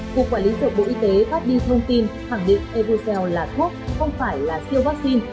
cuộc quản lý dựng bộ y tế phát đi thông tin khẳng định evucel là thuốc không phải là siêu vaccine